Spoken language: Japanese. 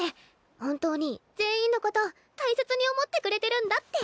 本当に全員のこと大切に思ってくれてるんだって。